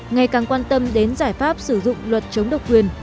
ngày càng quan tâm đến giải pháp sử dụng luật chống độc quyền